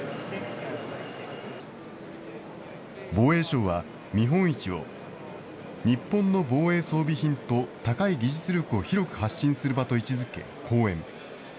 防衛省は、見本市を、日本の防衛装備品と高い技術力を広く発信する場と位置づけ後援。